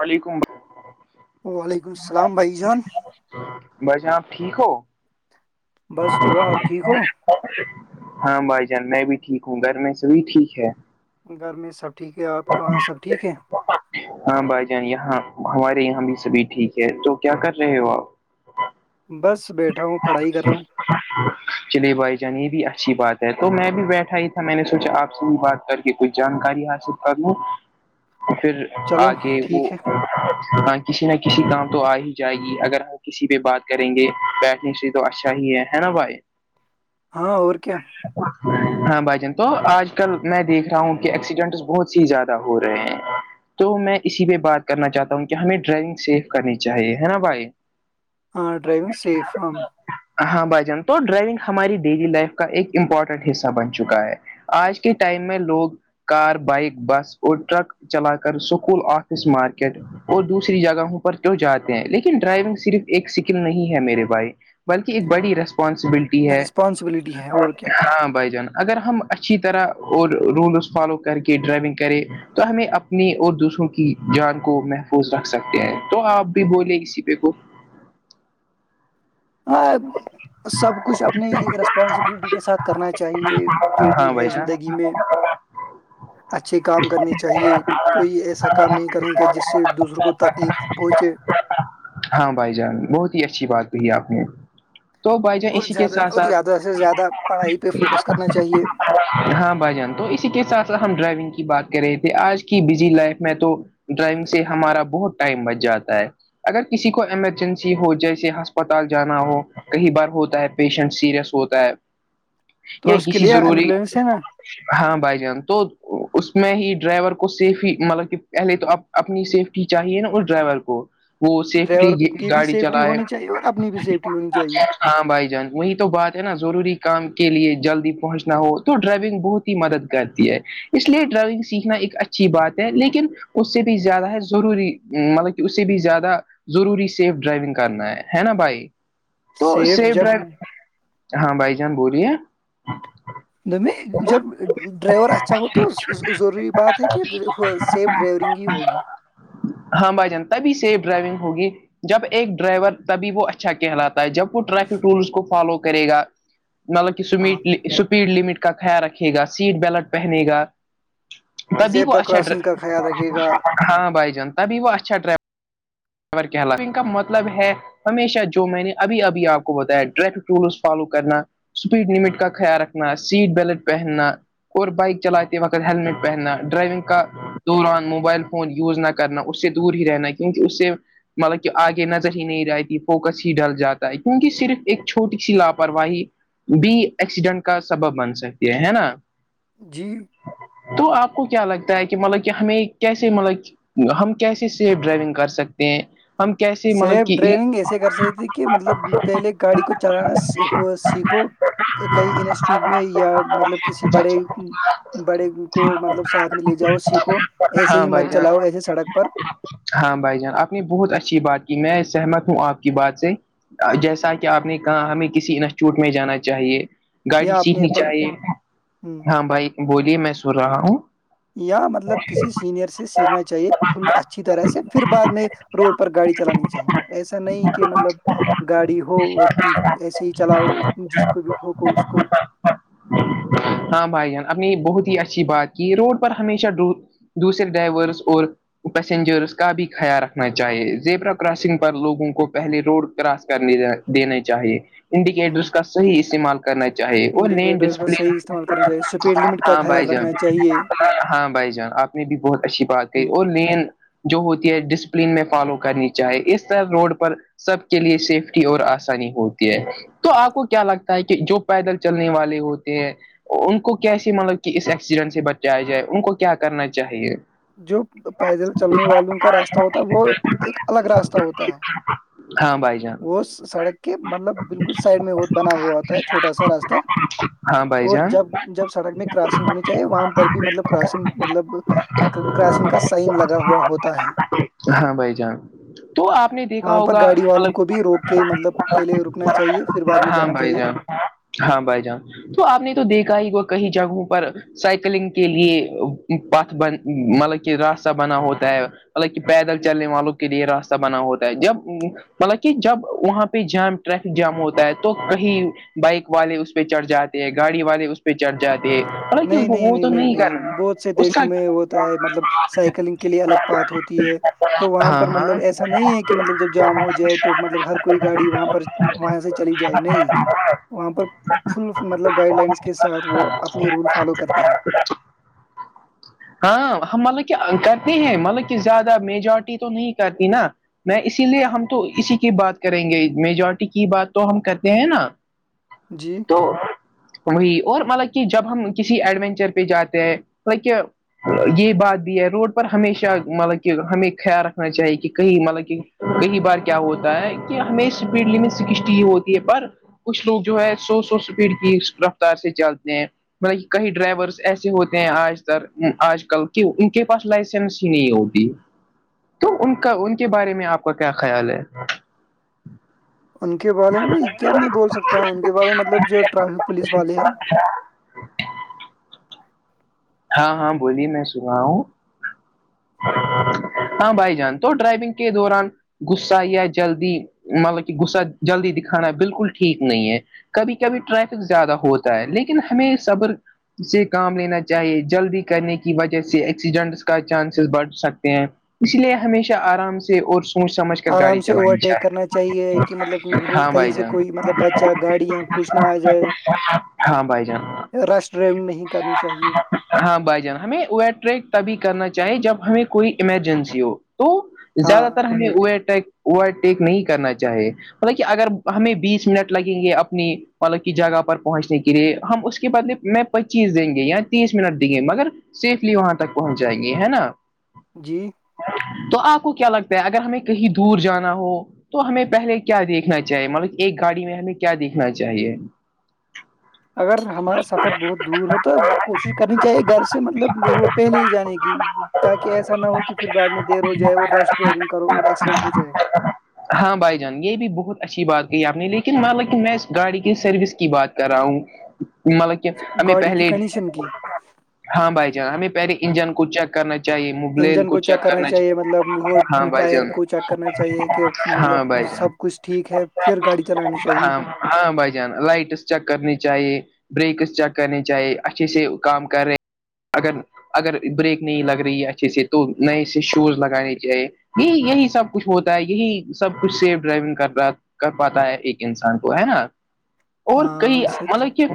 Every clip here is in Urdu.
ععلی کمبھ وعلیکم السلام بھائی جان بس جناپ ٹھیک ہو بس دعا آپ ٹھیک ہو ہاں بھائی جان میں بھی ٹھیک ہوں گھر میں سے بھی ٹھیک ہے گھر میں سب ٹھیک ہے آپ کے وہاں سب ٹھیک ہے ہاں بھائی جان یہاں ہمارے یہاں بھی سبھی ٹھیک ہے تو کیا کر رہے ہو آپ بس بیٹھا ہوں پڑھائی کر رہا ہوں چلے بھائی جان یہ بھی اچھی بات ہے تو میں بھی بیٹھا ہی تھا میں نے سوچا آپ سے بھی بات کر کے کوئی جانکاری حاصل کر لوں پھر چلو آگے وہ ٹھیک ہے ہاں کسی نہ کسی کام تو آ ہی جائے گی اگر ہم کسی پہ بات کریں گے بیٹنگ سی تو اچھا ہی ہے نا بھائی ہاں اور کیا ہاں بھائی جان تو آج کل میں دیکھ رہا ہوں کہ ایکسیڈنٹس بہت س زیادہ ہو رہے ہیں تو میں اسی پہ بات کرنا چاہتا ہوں کہ ہمیں ڈرائیونگ سیف کرنی چاہیے ہے نا بھائی ہ ڈرائیگ سیف ہ ہاں بھائی جان تو ڈرائیونگ ہماری ڈیلی لائف کا ایک امپورٹنٹ حصہ بن چکا ہے آج کے ٹائم میں لوگ کار بائک بس اور ٹرک چلا کر سکول آفس مارکیٹ اور دوسری جگہوں پر تو جاتے ہیں لیکن ڈرائیونگ صرف ایک سکل نہیں ہے میرے بھائی بلکہ ایک بڑی رسم انسبلٹی ہے رسپانسبلٹی ہے اور کیا ہاں بھائی جان اگر ہم اچھی طرح اور رولز فالو کر کے ڈرائیونگ کرے تو ہمیں اپنے اور دوسروں کی جان کو محفوظ رکھ سکتے ہیں تو آپ بھی بولے اسسی پہ کو ہاں سب کچھ اپنی ریسپانسبلٹی کے ساتھ کرنا چاہیے جو ہاں بھی بھائی ہے جان زندگی میں اچھھی کام کرنی چاہیے کوئی ایسا کام نہیں کریں گ جس سے دوسروں کو تکلیف پہنچے ہاں بھائی جان بہت ہی اچھی بات کہی آپ نے تو بھائی جان اور اسی کے زیادہ ساتھ اور ساتھ زیادہ سے زیادہ پڑھائی پہ فوکس کرنا چاہیے ہاں بھائی جان تو اسی کے ساتھ ساتھ ہم ڈرائیونگ کی بات کرے تھے آج کی بزی لائف میں تو ڈرائیونگ سے ہمارا بہت ٹائم بچ جاتا ہے اگر کسی کو ایمرجنسی ہو جیسے ہسپتال جانا ہو کئی بار ہوتا ہے پیشنٹ سیریس ہوتا ہے تو یا اس کے کسی لیے ضروری ایمبولینس نا ہاں بھائی جان تو اس میں ہی ڈرائیور کو سیفی مطلب کہ پہلے تو آپ اپنی سیفٹی چاہیے نا اس ڈرائیور کو وہ ڈرائیور سیفٹی کی بھی گاڑی سیفٹی چلائے ہونی چاہیے اور اپنی بھی سیفٹی ہونی چاہیے ہاں بھائی جان وہی تو بات ہے نا ضروری کام کے لیے جلدی پہنچنا ہو تو ڈرائیونگ بہت ہی مدد کرتی ہے اس لیے ڈرائیونگ سیکھنا ایک اچھی بات ہے لیکن اس سے بھی زیادہ ہے ضروری مطلب کہ اس سے بھی زیادہ ضروری سیف ڈرائیونگ کرنا ہے ہے نا بھائی تو سیف ڈرائی ہاں بھائی جان بولیے د میں جب ڈرائیور اچھا ہو تو ضروری بات ہے کہ سیف ڈرائیورونگ ہی ہوگی ہاں بھائی جان تبھی سیف ڈرائیونگ ہوگی جب ایک ڈرائیور تبھی وہ اچھا کہلات جب وہ ٹریفک رولس کو فالو کرے گا مطلب ہاں کہ اسپیڈ لمٹ کو کا خیال رکھے گا سیٹ بیلٹ پہنے گا تبھی وہ زیبرا اچھا کراسنگ کا خیال رکھے گا ہاں بھائی جان تبھی وہ اچھا ڈور خ کہات ان کا مطلب ہے ہمیشہ جو میں نے ابھی ابھی آپ کو بتایا ٹریک رولس فالو کرنا اسپیڈ لمٹ کا خیال رکھنا سیٹ بیلٹ پہننا اور بائک چلاتے وقت ہیلمیٹ پہننا ڈرائیونگ کا دوران موبائل فون یوز نہ کرنا اس سے دور ہی رہنا کیونکہ اس سے مطلب کہ آگے نظر ہی نہیں رہی فوکس ہی ڈل جاتا ہے کیونکہ صرف ایک چھوٹی سی لاپرواہی بھی ایکسیڈنٹ کا سبب بن سکتی ہے ہے نا جی تو آپ کو کیا لگتا ہے کہ مطلب کہ ہمیں کیسے مطلب ہم کیسے سیف ڈرائیونگ کر سکتے ہیں ہم کیس سیف ڈرائیونگ ایسے کر سکتی تھی کہ مطلب پہلے گاڑی کو چلانا سیکھو کئی انسٹیٹیوٹ میں یا مطلب کسی بڑے بڑے کو مطلب ساتھ میں لے جاؤ سیکھو ایسے ہاں ہی مت بھائی چلاؤ ایسے سڑک پر ہاں بھائی جان آپ نے بہت اچھی بات کی میں سہمت ہوں آپ کی بات سے جیسا کہ آپ نے کہا ہمیں کسی انسٹیٹیوٹ میں جانا چاہیے گاڑی یا اپنے سیکھنی چاہیے ہ ہاں بھائی بولیے میں سن رہا ہوں یا مطلب کسی سینئر سے سیکھنا چاہیے فل اچھی طرح سے پھر بعد میں روڈ پر گاڑی چلانی چاہیے ایسا نہیں کہ مطلب گاڑی ہو اور ایسے ہی چلاؤ جس کو بھی ٹھوکو اس کو [inaudible] ہاں بھائی جان اپپ نے بہت ہی اچھی بات کی روڈ پر ہمیشہ دوسرے ڈرائیورس اور پیسنجرس کا بھی خیال ر چاہیے زبرا کراسنگ پر لوگوں کو پہلے روڈ کراس کرنے دنے چاہیے ہ انڈیکیٹرس کا صح استعمال کرنا چاہیے وہ نین انڈیکیٹرس کا ڈسپل صحیح استعمال کرنا چاہیے اسپیڈ لمٹ کا ہاں خیال بھائی جان رکھنا چاہیے ہاں بھائی جان آپ نے بھی بہت اچھی بات کہی ہ اور مین جو ہوتی ہے ڈس ل میں فالو کرنی چاہیے اس طرح روڈ پر سب کے لیے سیفٹی اور آسانی ہوتی ہے تو آپ کو کیا لگتا ہے کہ جو پیدل چلنے والے ہوتے ہیں ان کو کیسے مطلب کہ اس ایکسیڈنٹ سے بچے آ جائے ان کو کیا کرنا چاہیے جو پیدل چلنے والوں کا راستہ ہوتا ہے وہ ایک الگ راستہ ہوتا ہے ہاں بھائی جان وہ سڑک کے مطلب بالکل سائڈ میں بنا ہوا ہوتا ہے چھوٹا سا راستہ ہاں بھائی اور جان جب جب سڑک میں کراسنگ ہونی چاہیے وہاں پر بھی مطلب کراسنگ مطلب کنکاشنگ کا سائن لگا ہوا ہوتا ہے ہاں بھائی جان تو آپ نے دیکھ وہاں پر گاڑی والوں کو بھی روک کے مطلب پہلے رکنا چاہیے پھر بعد میں ہاں جانا بھائی چاہیے جان ہاں بھائی جان تو آپ نے تو دیکھا ہی وہ کئی جگہوں پر سائیکلنگ کے لیے پتھ بن مطلب کہ راستہ بنا ہوتا ہے مطلب پیدل چلنے والوں کے لیے راستہ بنا ہوتا ہے جب مطلب کہ جب وہاں پہ جام ٹریفک جام ہوتا ہے تو کہیں بائک والے اس پہ چڑھ جاتے ہیں گاڑی والے اس پہ چڑھ جاتے ہیں حالانکہ نہیں نہیں وہ نہیں تو نہیں نہیں کرنا بہت سے اس دیشوں کا میں ہوتا ہے مطلب سائیکلنگ کے لیے الگ بات ہوتی ہے تو وہاں ہاں پر ہاں مطلب ایسا نہیں ہے کہ مطلب جب جام ہو جائے تو مطلب ہر کوئی گاڑی وہاں پر وہاں سے چلی جائے نہیں وہاں پر فل مطلب گائڈ لائنس کے ساتھ وہ اپنے رول فالو کرتے ہیں ہاں ہم مطلب کہ کرتے ہیں مطلب کہ زیادہ میجورٹی تو نہیں کرتی نا میں اسی لیے ہم تو اسی کی بات کریں گے میجورٹی کی بات تو ہم کرتے ہیں نا جی تو وہی اور مطلب کہ جب ہم کسی ایڈونچر پہ جاتے ہیں مطلب کہ یہی بات بھی ہے روڈ پر ہمیشہ مطلب ہمیں خیال رکھنا چاہیے کہ کہیں مطلب کہ کئی بار کیا ہوتا ہے کہ ہمیں اسپیڈ لمٹ سے ہوتی ہے پر کچھ لوگ جو ہے سو سو سپیڈ کی رفتار سے چلتے ہیں مطلب کہ کئی ڈرائیورس ایسے ہوتے ہیں آج تر آج کل کے ان کے پاس لائسنس ہی نہیں ہوتی تو ان کا ان کے بارے میں آپ کا کیا خیال ہے ان کے بارے میں کیا میں بول سکتا ہوں ان کے بارے میں مطلب جو ٹریفک پولیس والے ہیں اچھا ہاں ہاں بولیے میں سنا ہوں [inaudible] ہاں بھائی جان تو ڈرائیونگ کے دوران غصہ یا جلدی مطلب کہ غصہ جلدی دکھانا بالکل ٹھیک نہیں ہے کبھی کبھی ٹریفک زیادہ ہوتا ہے لیکن ہمیں صبر سے کام لینا چاہے جلدی کرنے کی وجہ سے ایکسیڈنٹس کا چانسیز بڑھ سکتے ہیں اس لیے ہمیشہ آرام سے اور سوچ سمجھ کر آرام گاڑی سے چلانی اوورٹیک چاہیے کرنا چاہیے کہ مطلب ہاں کہیں بھائی سے جان کوئی مطلب بچہ گاڑیاں کچھ نہ آ ہاں بھائی جان جائے رش ڈریون نہیں کرنی چاہیے ہاں بھائی جان ہمیں و ٹریک تبھی کرنا چاہیے جب ہمیں کوئی ایمرجنسی ہو تو ہاں زیادہ تر ہمیں اوٹیک اوورٹیک نہیں کرنا چاہیے مطلب کہ اگر ہمیں بیس منٹ لگیں گے اپنی مطلب کی جگہ پر پہنچنے کے لیے ہم اس کے بدلے میں پچیس دیں گے یا تیس منٹ دیں گے مگر سیفلی وہاں تک پہنچ جائیں گے ہے نا جی تو آپ کو کیا لگتا ہے اگر ہمیں کہیں دور جانا ہو تو ہمیں پہلے کیا دیکھنا چاہیے ملب ایک گاڑی میں ہمیں کیا دیکھنا چاہیے اگر ہمارا سفر بہت دور ہو تو کوشش کرنی چاہیے گھر سے مطلب وہ پہلے ہی جانے کی تاکہ ایسا نہ ہو کہ پھر بعد میں دیر ہو جائے اور رش ڈرائیونگ کرو اور ایسے ایکسڈنٹ ہو جائے ہاں بھائی جان یہ بھی بہت اچھی بات کہی آپ نے لیکن م لیکن میں گاڑی کی سروس کی بات کر رہا ہوں مطلب کہ ہمیں پہلے جی ہاں بھائی جان ہمیں پہلے انجن کو چیک کرنا چاہیے مبلل کو چیک کرنا چاہیے ہاں اپ بھائی ٹائر جان کو چیک کرنا چاہیے کہ مطلب ہاں بھائی جان سب کچھ ٹھیک ہے پھر گاڑی چلانی چاہیے ہاں بھائی جان لائٹس چیک کرنی چاہیے بریکس چیک کرنی چاہیے اچھے سے کام کر رہے ہیں اگر اگر بریک نہیں لگ رہی ہے اچھے سے تو نئے سے شوز لگانے چاہیے یہی یہی سب کچھ ہوتا ہے یہی سب کچھ سیف ڈرائیونگ کر رہا ہے کر پاتا ہے ایک انسان کو ہے نا اور کئی ہاں سچ مطلب کہ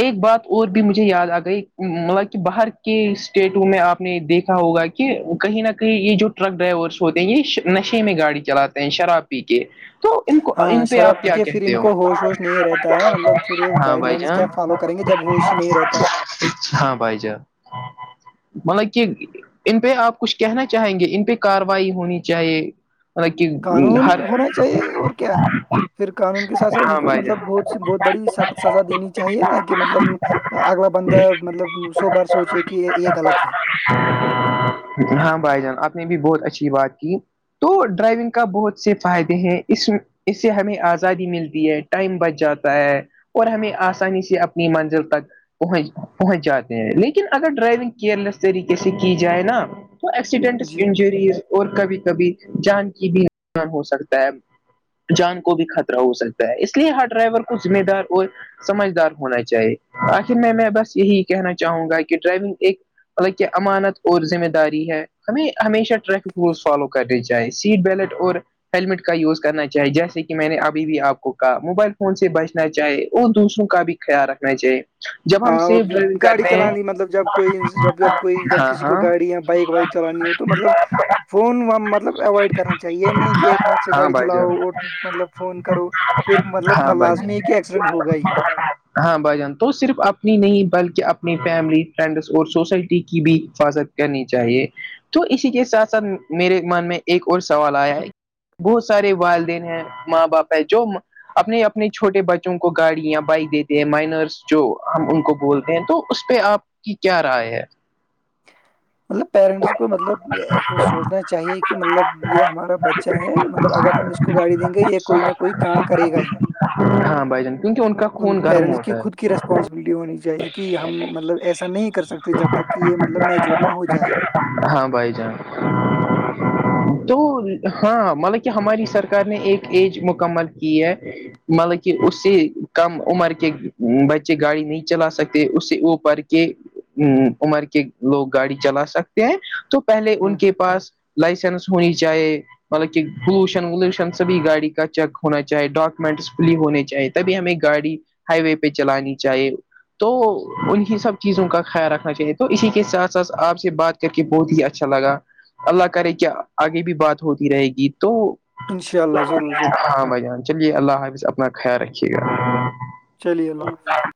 ایک بات اور بھی مجھے یاد آ گئی مطلب کہ باہر کے اسٹیٹوں میں آپ نے دیکھا ہوگا کہ کہ کہیں نہ کہیں یہ جو ٹرک ڈرائیورس ہوتے ہیں یہ نشے میں گاڑی چلاتے ہیں شراب پی کے تو ان کو ہاں ان پہ شراب آپ پی کیا کے پھر کہتے ان ہو کو ہوش وش نہیں رہتا ہے مطلب پھر ہاں گائڈ بھائی لائنس جان کیا فالو کریں گے جب ہو ایشی نہیں رہتا ہاں بھائی جان مطلب کہ ان پہ آپ کچھ کہنا چاہیں گے ان پہ کاروائی ہونی چاہیے مطلب کہ قانون ہر ہونا چاہیے اور کیا پھر قانون کے سات ساتھ ان ہاں کو بھائی جان مطلب بہت سی بہت بڑی سخت سزا دینی چاہیے نا کہ مطلب اگلا بند مطلب سو بار سوچے کہ یہ غلط ہے ہاں بھائی جان آپ نے بھی بہت اچھی بات کی تو ڈرائیونگ کا بہت سے فائدے ہیں اس اس سے ہمیں آزادی ملتی ہے ٹائم بچ جاتا ہے اور ہمیں آسانی سے اپنی منزل تک پہن پہنچ جاتے ہیں لیکن اگر ڈرائیونگ کیئر لیس طریقے سے کی جائے نا تو ایکسیڈنٹس جی انجوریز اور کبھی کبھی جان کی بھی ہو سکتا ہے جان کو بھی خطرہ ہو سکتا ہے اس لیے ہر ڈرائیور کو ذمہ دار اور سمجھدار ہونا چاہیے آخر میں میں بس یہی کہنا چاہوں گا کہ ڈرائیونگ ایک مطلب کہ امانت اور ذمہ داری ہے ہمیں ہمیشہ ٹریفک رولس فالو کر رہیی چاہے سیٹ بیلٹ اور ہیللمٹ کا یوز کرنا چاہے جیسے کہ میں نے ابھی بھی آپ کو کہا موبائل فون سے بچنا چاہے اور دوسروں کا بھی خیال رکھنا چاہی ہاں گاڑی چلانی مطلب جب کوئی جب جب کوئی جب ہاں کسی کو ہاں گاڑی یا بائک وائک چلانی ہو تو تو مطلب فون مطلب اوائڈ کرنا چاہیے یہ نہیں کہ ایک ہاتھ سے ہاں گاڑی بھائی چلاؤ جان اور مطلب فون کرو پھر مطلب ہاں بھائی جان لزمی ہے کہ ایککسیڈنٹ ہو گا ہی ہاں بائی جان تو صرف اپنی نہیں بلکہ اپنی فیملی فرینڈس اور سوسائٹی کی بھی حفاظت کرنی چاہیے تو اسی کے ساتھ ساتھ میرے من میں ایک اور سوال آیا ہے بہت سارے والدین ہیں ماں باپ ہے جو اپنے اپنے چھوٹے بچوں کو گاڑی یا بائک دیتے ہیں مائنرس جو ہم ان کو بولتے ہیں تو اس پہ آپ کی کیا رائے ہے مطلب پیرنٹس کو مطلب سوچنا چاہیے کہ مطلب یہ ہمارا بچچا ہے مطلب اگر ہم اس کو گاڑی دیں گے یہ کوئی نہ کوئی کڈ کرے گا ہی ہاں بھائی جان کیونکہ ان کا خون گرم ہوتا ہے پانسبلٹی ہو چاہے کہ ہم مطلب ایسا نہیں کر سکتے جب تک کہ یہ مطلب میچ ہاں بھائی جان تو ہاں مطلب کی ہماری سرکار نے ایک ایج مکمل کی ہے مطلب کہ اسی کم عمر کے بچے گاڑی نہیں چلا سکتے اس سے وہ پڑھ کے ا عمر کے لوگ گاڑی چلا سکتے ہیں تو پہلے ہ ان کے پاس لائسنس ہونی چاہے مطلب کہ پولوشن ولوشن سبھی گاڑی کا چیک ہونا چاہے ڈاکومنٹس فلی ہونے چاہی تبھی ہمیں گاڑی ہائی وے پہ چلانی چاہیے تو انیں سب چیزوں کا خیال رکھنا چاہیے تو اسی کے ساتھ ساتھ آپ سے بات کر کے بہت ہی اچھا لگا اللہ کرے کہ آگے بھی بات ہوتی رہے گی تو ان شاء اللہ ضرور ضرور ہاں بھائی جان چلیے اللہ حافظ اپنا خیال رکھیے گا چلیے اللہ ہاں